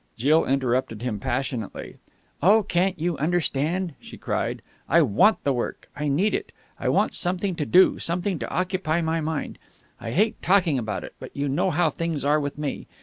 Jill interrupted him passionately. "Oh, can't you understand!" she cried. "I want the work. I need it. I want something to do, something to occupy my mind. I hate talking about it, but you know how things are with me.